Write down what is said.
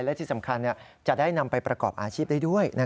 และที่สำคัญจะได้นำไปประกอบอาชีพได้ด้วย